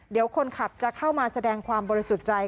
เดี๋ยวคนขับจะเข้ามาแสดงความบริสุทธิ์ใจ